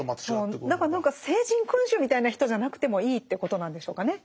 何か聖人君子みたいな人じゃなくてもいいっていうことなんでしょうかね。